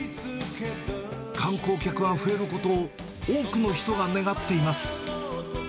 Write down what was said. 観光客が増えることを多くの人が願っています。